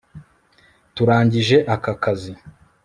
Turangije aka kazi